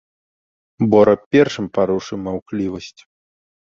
Бора першым парушыў маўклівасць.